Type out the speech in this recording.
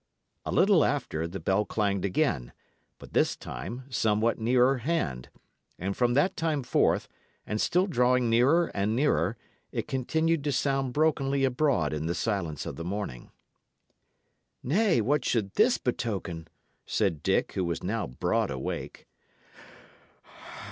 A little after, the bell clanged again, but this time somewhat nearer hand; and from that time forth, and still drawing nearer and nearer, it continued to sound brokenly abroad in the silence of the morning. "Nay, what should this betoken?" said Dick, who was now broad awake.